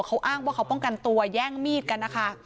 เขาอ้างว่าเขาป้องกันตัวแย่งมีดกันนะคะ